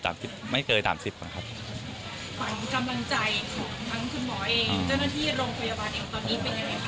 ความกำลังใจของทั้งคุณหมอเองเจ้าหน้าที่โรงพยาบาลเองตอนนี้เป็นอย่างไรครับ